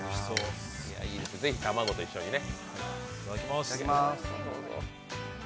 ぜひ卵と一緒にね。